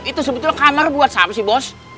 itu sebetulnya kamar buat siapa sih bos